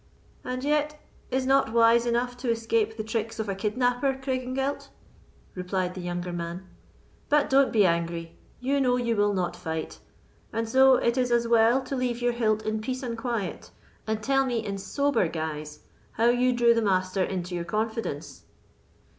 "And yet is not wise enough to escape the tricks of a kidnapper, Craigengelt?" replied the younger man. "But don't be angry; you know you will not fight, and so it is as well to leave your hilt in peace and quiet, and tell me in sober guise how you drew the Master into your confidence?"